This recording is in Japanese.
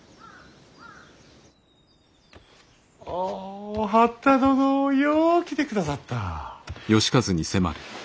おお八田殿よう来てくださった。